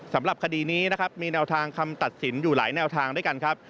สำหรับคดีนี้มีตัดสินอยู่หลายแนวแบบด้วยกันครับ